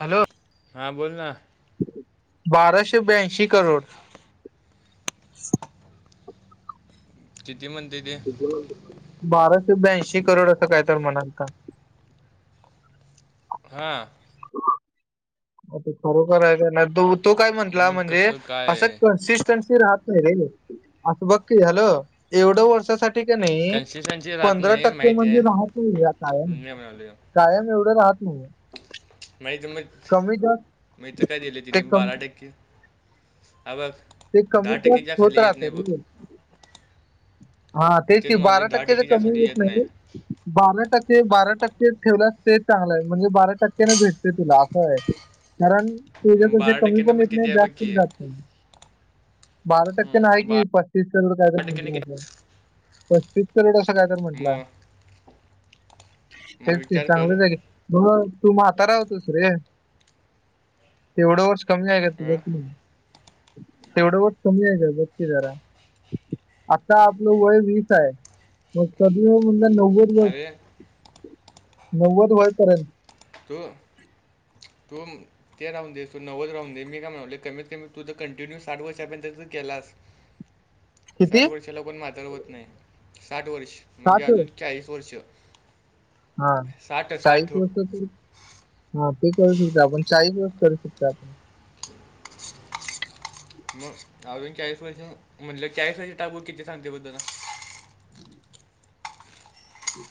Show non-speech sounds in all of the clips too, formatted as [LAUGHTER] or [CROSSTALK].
Hello! हा बोल ना. बाराशे ब्याऐंशी करोड. किती म्हणतयं ते? बाराशे ब्यांशी करोड असं, काय तर म्हणालता? हा. [UNINTELLIGIBLE] अता खरोखर आहे का नाही तो तो काय म्हंटला मग म्हणजे कसं काय असं कन्सिस्टन्सी राहत. रे असं बघ हॅल एवढं वर्षासाठी ठीक आहे नाही कन्सेशनची राहत पंधरा नाही टक्के माहिती म्हणजे आहे राहत काय ना. मी म्हणालो कायम एवढं राहते मग माहित मग माहि तर काय दिलं तिने ते कमी बारा टक्के हा बघ. ते दहा कमी तर टक्केच्या होत खाली येत नाही बघ राहत. हा मग तेच क म्हणाले बारा दहा टक्क्या टक्केच्या कमी खाली येत नाही. बारा टक्के बारा टक्के ठेवल्यास ते चांगलं आहे म्हणजे बारा टक्केने भेटते तुला असं आहे. कारण ते ज मग तो बारा कमी टक्क्यानं कमी पण एकेत किती नाही आहे बघ जास्त की जात. बारा टक्के नाही आहे हम्म, कि बारा पस्तीस करोड कायदा टक्क्याने किती म्हट. पस्तीस कलोड असं काय तर म्हंटलं मग मग तेच क विचार कर चांगलंच आहे. मग तू म्हातारा होतोस रे तेवढं वर्ष कमी आहे का तुझ अं, त तेवढं व कमी आहे ग बघती जरा आता आपलं वय वीस आहे मगणज नव्व. अरे नव्वद वयपर्यंत तो तो ते राहून देसोूव्व राहून देीय म्हणाले कमीत कमी तूझ कंटिन्यू साठ वर्षापर्यंत तर केलास. [UNINTELLIGIBLE] साठ वर्षाला कोण माजर होत नाही साठ वर्ष म्हणजे अजून चाळीस वर्ष हा साठ चाळीस साठ वत तरू. हा ते करू शकता आपणचाही दिवस करू शकता आपण मग अजून चाळीस वर्ष म्हटलं चाळीस वर्ष टाकू किती सांगते बद्दल ना.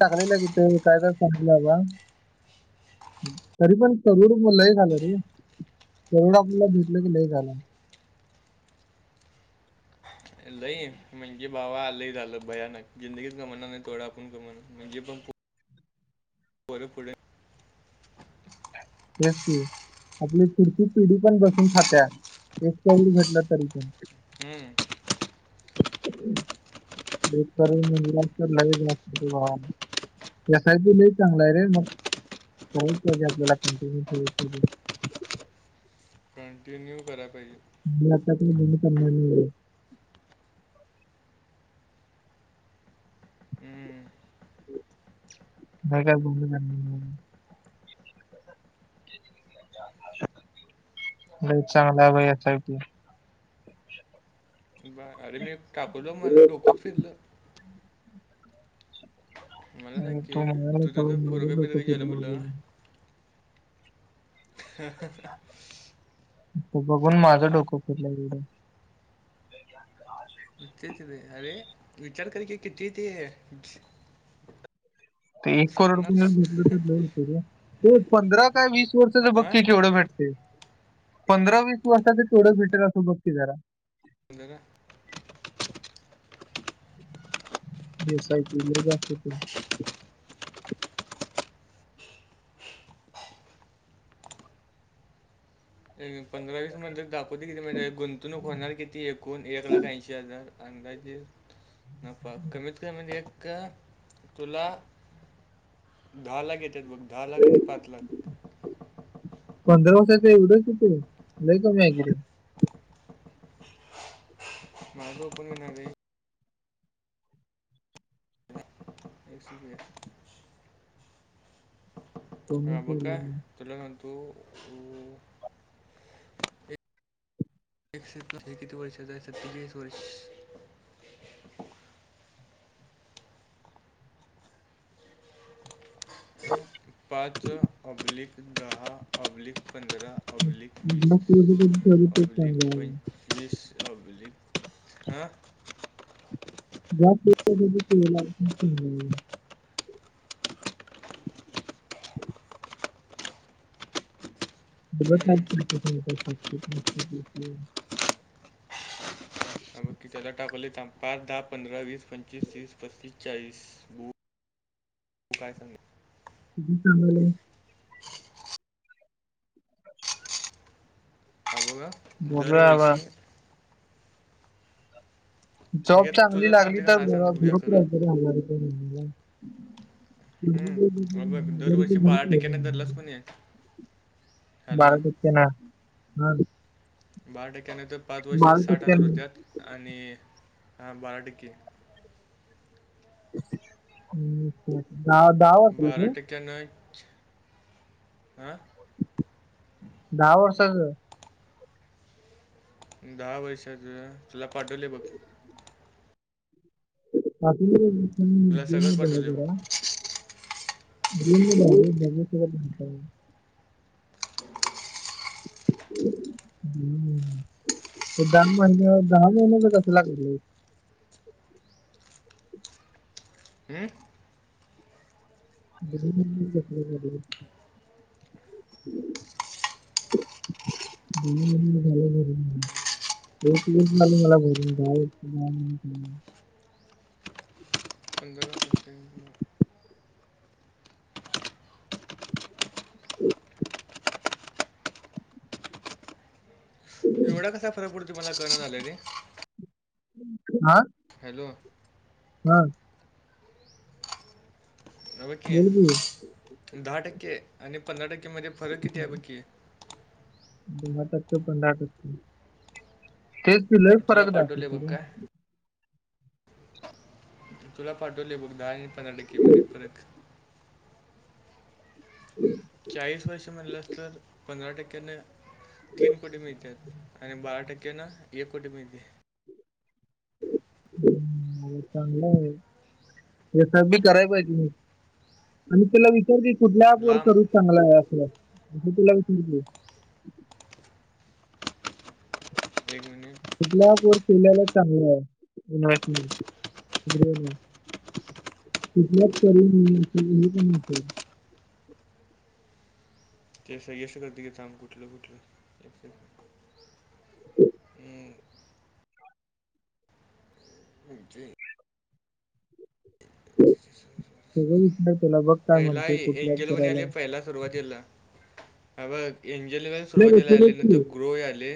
टाकलेलं किथे काय काय सांगलंबा. तरी पण तरुड लय झालं रे तरुड आपल्याला भेटलं क लय झालं. लय म्हणजे बाबा आ लय झालं भयानक जिंदगीत कमण नाही थोडं आपण कमण म्हणजे पण बरे पुुढे ह. आपली पुरची पिढी पण बसून खात्या एक घटलं तरी पण हम्म. ब म्हजला तर लगेच नत कसााच नाही चांगलाय रे मग काच पाहिजे आपल्याला कंटिन्यू ठे. कंटिन्यू करा पाहिजे. मताात मण प हम्म. नाही का घुमून बई चांगलं आहे भाई असयपी बा अरे मी टाकलं माझं डोकत फिरलं. मला सांग तू की म्हणाला तुझ तेव्हा त माझं फोरका बिर डोकं काय गेलं फिरलं म्हटलं. वगैरे. ह. त बघून माझं डोकं फिरलंय एवढं. का? च अरे विचार कर क किती ते ते एक करोड स्वप्नात रुपय भेटलं तर पंधरा काय वीस वर्षाच हा बघती केवढं भेटत. ते पंधरा वीस वर्षचे तेवढं फिटर असो बघती जरा होज का? व्यवसाय क ल जा असत ते पंधरा वीस म्हण दाखवते किती म्हणजे गुंतवणूक होणार किती एकूण एक लाख ऐंशी हजार अंदाजे नफ कमीत कमी म्हणजे ए. तुला दहा लाख येतात बघ दहा लाख आणि पाच लाख पंधरा वर्षाच एवढंच येते ल क म माझ पण मिनाई एकसपया कमी ह बका केलं आहे. तुलाखंतु े हे किती वर्ष सत्तेचाळीस वर्ष पाच अब्लिक दहा अब्लिक पंधरा पब्लिक जास्त वर्षाचं ठेवलं तेच चांगलं पब्लिक प आहे. फस अ भज हा जा ह हं. त अ ब कि त्याला टाकवले पाच दहा पंधरा वीस पंचवीस तीस पस्तीस चाळीस तू काय सांग ह हां बोला अ ब बघूया बा. दरवर्षी जॉब ह्याच्यात चांगली तुझं लागली सांगते का तर मला सांगते बघूया ग्रुप खरं लातणार हम्म. हा बघ दरवर्षी बारा टक्क्याने धरलाच [INAUDIBLE] पण आहे बारा हॅलो टक्के ना ह बारा टक्क्यान तर पाच वर्ष साठ हजार टक्क्यांनी होत्यात आणि बारा टक्के [UNINTELLIGIBLE] बारा ते टक्क्या नच [UNINTELLIGIBLE] हं [UNINTELLIGIBLE] दहा वर्षच दहा वर्षाच तुला पाठवले बघ पा तुला सगळंच गला पाठवले बघ जरा [UNINTELLIGIBLE] [UNINTELLIGIBLE] हम्म दहा महिन दहा महिन्यान कसं लागल हम [UNINTELLIGIBLE] [INAUDIBLE] मला भरून जा अंगर [UNINTELLIGIBLE] एवढा कसा फरक पडतो मला कडन झाले र हा हॅलो हम् अ बघकी बोल की दहा टक्के आणि पंधरा टक्के मध्ये फरक किती आहे बघकी दहा टक्के पंधरा टक्के तेच पिलाही तुला फरक दाखव पाठवले बघ त काय. तुला पाठवले बघ दहा आणि पंधरा टक्के मध्ये फरक [UNINTELLIGIBLE] चाळीस वर्ष म्हणलं अस तर पंधरा टक्क्याने तीन कोटी मिळत आणि बारा टक्के ना एक कोटी मिळते [UNINTELLIGIBLE] चांगला आहेस बी करायला पाहिजे म आणि तला कुठल्या ऍप वर लांब सर्च चांगला आहे असलं तुला वि विने कुठला पोर केल्याला चांगलं आहे इन्व्हेस्टमेंट कुठल्याच करी नाही असेल हे पण असेल ते श्रेयश करतय की सांग, कुठलं कुठलं... करतय? [UNINTELLIGIBLE] हा जय [UNINTELLIGIBLE] [UNINTELLIGIBLE] पहिला कुठल्याच एंजल वन करायला [UNINTELLIGIBLE] त्याला सुरुवातीला... हा बघ... एंजल वन नाही रे, सुरवातीला आले नंतर की. ग्रो आले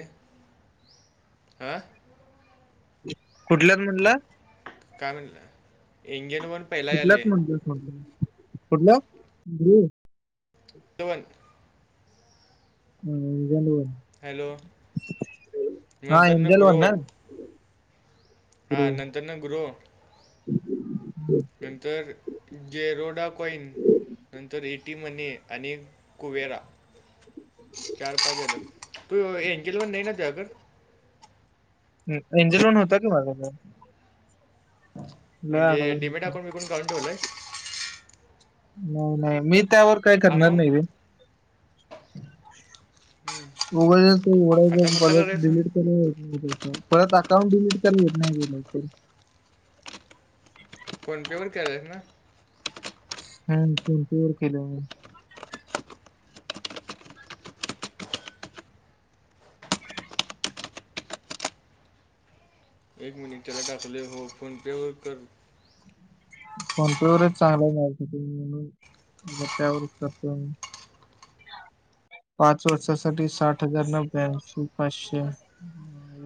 आ? कुठल्यात म्हनला? कारण एंजेल वन पहिला आले. कुठल्यात म्हणतोस मग तू... कुठल्या.... [UNINTELLIGIBLE] [UNINTELLIGIBLE] एंजल वन... हॅलो. हा नंतर एंजल ग्रो वन ना? हा नंतरनं करू नंतर जेरोडा कॉईन नंतर एटी मनी आणि कुवेरा चार पाच ए बघ, तू... एंजल वन नाई ना तुझ्याकडं एंजल वन होता की माझा कड म्हणजे अगोदर डीमीट होता अकाउंट बीकॉउंट काढून ठेवलंय नाई नाई.. मी त्यावर काय करणार नाही रे अकाउंट उगाचच ते आता उघडायचं... कुठलं परत करायचं डीलीट [UNINTELLIGIBLE] परत अकाउंट डिलीट करून घेत नाई ते लवकर फोन पे वर केलाइस ना [UNINTELLIGIBLE] एक मिनिट, तुला टाकलय भाऊ... फोनपे वर कर फोन पे वरच चांगलं [UNINTELLIGIBLE] ए म्हणून त्यावरच करतो [UNINTELLIGIBLE] पाच वर्षांसाठी साठ हजार नब्यांशी पाचशे [UNINTELLIGIBLE]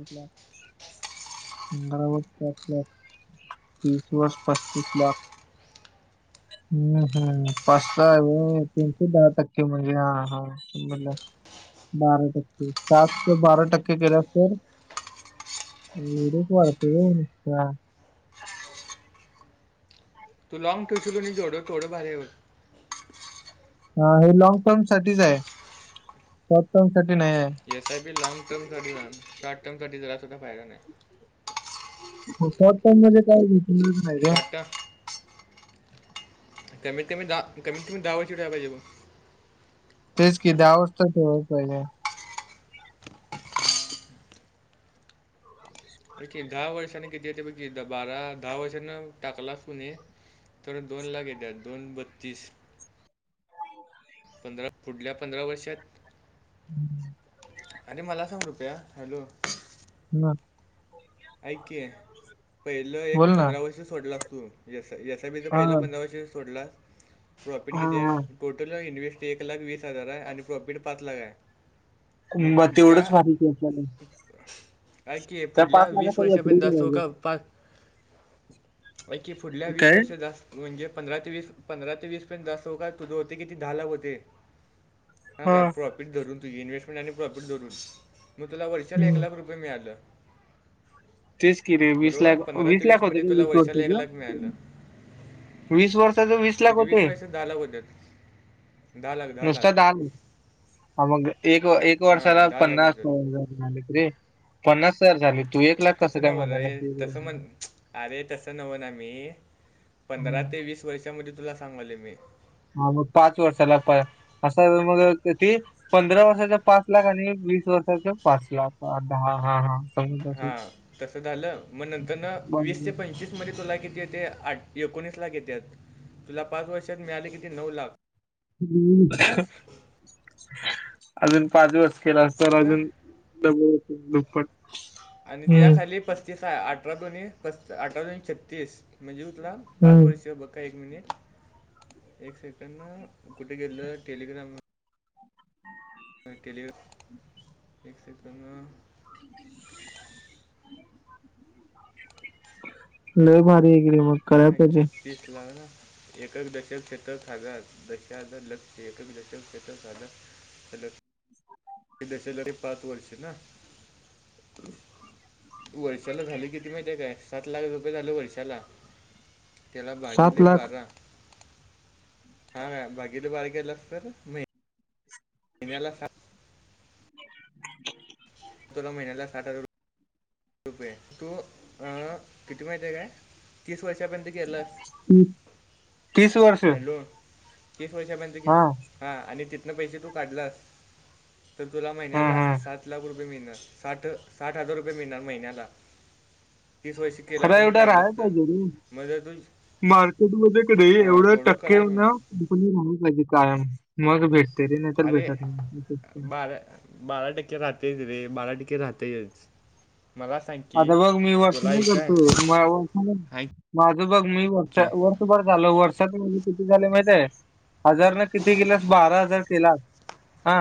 पंधरा वर्ष.... [UNINTELLIGIBLE] बा हम्म हम्म... [UNINTELLIGIBLE] दहा टक्के म्हणजे हा हा [UNINTELLIGIBLE] बारा टक्के.. सातचं बारा टक्के केल्या तर [UNINTELLIGIBLE] तू लाँग ठेवशील का नाई जेवढं... केवढ भारी ये बग हा.... हे लॉंग टर्म साठीच ए... शॉर्ट टर्म साठी नाहीये. एस आय पी लॉंग टर्मसाठी [INAUDIBLE] शॉर्ट टर्मसाठी जरा सुद्धा फायदा नाय शॉर्ट टर्म मध्ये काय [UNINTELLIGIBLE] नाही रे शॉर्ट टर्म कमीत कमी... दहा, कमीत कमी दहा वर्ष ठेवाय पाहिजे ब तेच की दहा वर्ष [UNINTELLIGIBLE] पाहिजे [UNINTELLIGIBLE] [UNINTELLIGIBLE] दहा वर्षांनी किती येतय बघ की... बारा... दहा वर्षांतन टाकलास कनी तेवढ्यात दोन लाख येतात... दोन बत्तीस पंधरा... पुढल्या पंधरा वर्षात [UNINTELLIGIBLE] आणि मला सांग रुप्या, हॅलो? [UNINTELLIGIBLE] ऐक की... पहिलं एक बोल ना पंधरा वर्ष सोडलास तू यस आय... यस आय पीचं, हा पहिलं पंधरा वर्ष सोडलास... प्रॉफिट हा किती हा हाय? टोटल इन्व्हेस्ट... एक लाख वीस हजार हाय... आणि प्रॉफिट पाच लाख हाय मग पुढच्या... तेवढंच भारी केलं ऐक की, त्या पाच पुढल्या वीस लाखाचा एफडी वर्षापर्यंत करायचं [UNINTELLIGIBLE] पाच... ऐक की फुढल्या वीस काय वर्ष जास म्हणजे पंधरा ते वीस पंधरा ते वीस पर्यंत जाऊस तवरका तुझं हुतय किती दहा लाख हूतंय हां हा काय प्रॉफिट धरून तुझी इन्व्हेस्टमेंट आणि प्रॉफिट धरून म तुला वर्षला एक हम्म लाख रूप मिळालं तेच की रे वीस बरोबर लाख पंधरा ते लाख वीस होते म्हणजे का तुला वीस वर्षाला एक वर्षाचं लाख मिळालं. वीस वर्षाचं लाख तिथ वीस होते वर्षात दहा लाख हुत्यात दहा लाख दहा लाख ह मग एक एक वर्षाला हां, लाख पन्नास होतात. मिळालं की रे पन्नास हजार झाल तू एक लाख तसं कसं काय म्हणाला न्हवरे तसं मग अरे तस नव ना मी पंधरा ते वीस वर्षामध्ये तुला सांगालोय मी हा मग पाच वर्षाला पा असं मग ते पंधरा वर्षाच पाच लाख आणि वीस वर्षाच पाच लाख दहा हा हा हा तसं झालं मग नंतर ना वीस ते समजलं पंचवीस मध्ये तुला किती येतय आठ एकोणीस लाख येत्यात तुला पाच वर्षात मिळाल किती नऊ लाख आजून पाच दिसवस केलास तर आजून बरं? द दुप्पट आणि त्या हम्म खाली पस्तीस अठरा दोन अठरा दोन छत्तीस म्हणजे ला पाच हम्म वर्षीय बघ का एक मिनिट एक सेकंड कुठे गेल टेलिग्राम केले एकत [UNINTELLIGIBLE] ल मारारी हेक म ह का छत्तीस लाग ना एकक दशक क्षेत्र साग दशा लक्ष एकक दशक क्षेत्र साध हलो दशलरी पाच वर्षे ना वर्षाला झाले किती माहिती आहे काय सात लाख रुपये झाले वर्षाला त्याला सात भागिले लाख बारा हा काय भागिले बारा केलास तर नई न्याला साठ तुला महिन्याला साठ हजार रुप रुपये तू अ किती माहिती आहे काय तीस वर्षापर्यंत केलंस तीस वर्ष हॅलो तीस वर्षा म्हहिजे की हा हा आणि तिथन पैसे तू काढलास तर तुला हा महिन्याला हा सात लाख रुपये मिळणारठ साठ हजार रुपये मिळणार म श खरा एवढा राहाय पाहिजे र तू मार्केट मध्ये कध हां एवढं थोडं टक्के करा ना पाहिजे कायम मग भेटते रे नाही तरर अरे भेटतट बारा बारा टक्के राहतेयच रे बारा टक्के राहतायच मला सांग आता बघ मी वर्ष तुला नाही ऐकाय करतोय वर्ष नाही ऐक माझं बघ मी वर्ष की व ब झालं वर्षात म्हजे किती झाले माहिितय हजार ना किती केलास बारा हजार केलास हा